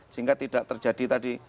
sehingga tidak terjadi tadi